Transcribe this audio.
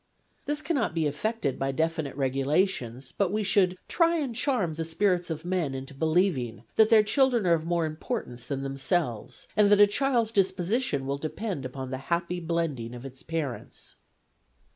' This cannot be effected by definite regulations, but we should ' try and charm the spirits of men into believing ' that their children are of more importance than themselves, and that a child's disposition will depend upon the happy blending of its parents.